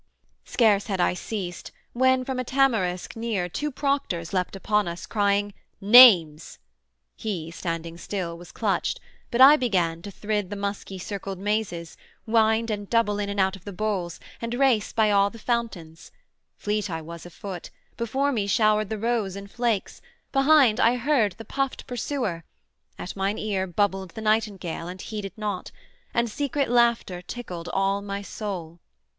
Scarce had I ceased when from a tamarisk near Two Proctors leapt upon us, crying, 'Names:' He, standing still, was clutched; but I began To thrid the musky circled mazes, wind And double in and out the boles, and race By all the fountains: fleet I was of foot: Before me showered the rose in flakes; behind I heard the puffed pursuer; at mine ear Bubbled the nightingale and heeded not, And secret laughter tickled all my soul.